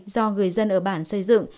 do người dân ở bản xây dựng